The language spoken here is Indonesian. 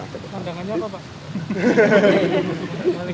pandangannya apa pak